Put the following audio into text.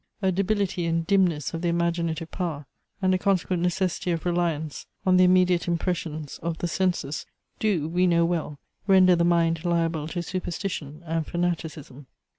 A debility and dimness of the imaginative power, and a consequent necessity of reliance on the immediate impressions of the senses, do, we know well, render the mind liable to superstition and fanaticism.